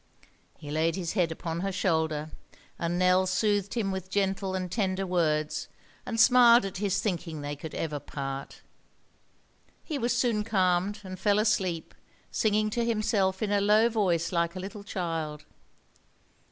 He laid his head upon her shoulder, and Nell soothed him with gentle and tender words, and smiled at his thinking they could ever part. He was soon calmed, and fell asleep, singing to himself in a low voice like a little child.